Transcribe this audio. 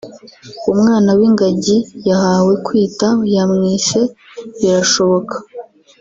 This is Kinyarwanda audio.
umwana w’ingagi yahawe kwita yamwise “Birashoboka”